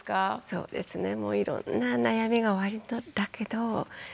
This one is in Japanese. そうですねもういろんな悩みがおありだけど一番